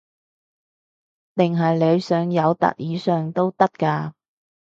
定係你想友達以上都得㗎